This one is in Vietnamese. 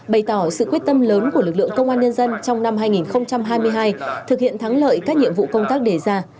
bày tỏ sự quyết tâm lớn của lực lượng công an nhân dân trong năm hai nghìn hai mươi hai thực hiện thắng lợi các nhiệm vụ công tác đề ra